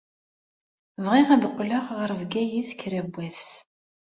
Bɣiɣ ad qqleɣ ɣer Bgayet kra n wass.